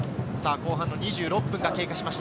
後半の２６分が経過しました。